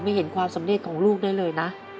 เห็นความสำเร็จของลูกได้เลยนะ